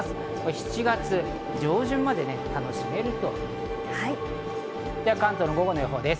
７月上旬まで楽しめるということです。